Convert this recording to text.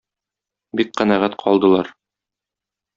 Бик канәгать калдылар.